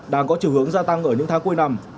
đang có chiều hướng gia tăng ở những tháng cuối năm